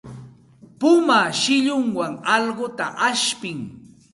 Puma shillunwan allquta ashpin.